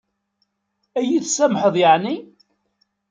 Ad yi-tsamḥeḍ yeɛni?